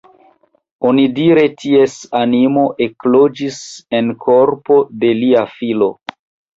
Onidire ties animo ekloĝis en korpo de lia filo.